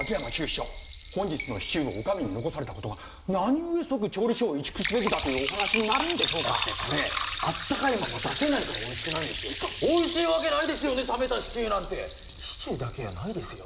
長本日のシチューをお上に残されたことが何故調理所を移築すべきだというお話に？だって温かいまま出せないからおいしくないんですおいしいわけない冷めたシチューなんてシチューだけやないですよ